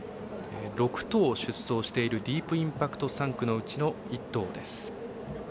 ６頭、出走しているディープインパクト産駒のうちの一頭です。